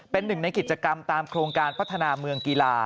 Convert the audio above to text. เป็นหนึ่งในกิจกรรมตามโครงการพัฒนาเมืองกีฬา